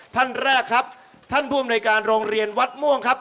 ท่านแรกครับท่านผู้อำนวยการโรงเรียนวัดม่วงครับ